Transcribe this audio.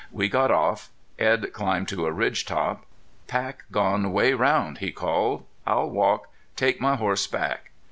We got off. Edd climbed to a ridge top. "Pack gone way round," he called. "I'll walk. Take my horse back."